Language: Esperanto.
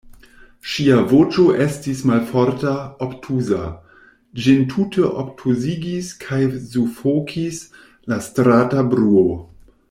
Ŝia voĉo estis malforta, obtuza; ĝin tute obtuzigis kaj sufokis la strata bruo.